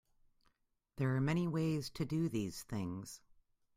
There are many ways to do these things.